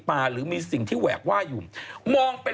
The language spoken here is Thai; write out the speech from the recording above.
ปลาหมึกแท้เต่าทองอร่อยทั้งชนิดเส้นบดเต็มตัว